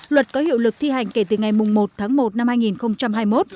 luật có hiệu lực thi hành kể từ ngày một tháng một năm hai nghìn hai mươi một